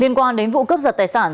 liên quan đến vụ cướp giật tài sản